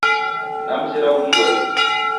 Namzera unidwaye